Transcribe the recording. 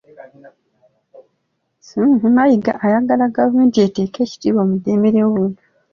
Mayiga ayagala gavumenti eteeke ekitiibwa mu ddembe ly'obuntu .